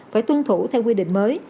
phải tuân thủ theo quy định mới